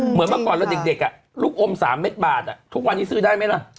เหมือนเมื่อก่อนเราเด็กลูกอม๓เม็ดบาททุกวันนี้ซื้อได้ไหมล่ะ